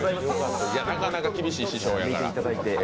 なかなか厳しい師匠やから。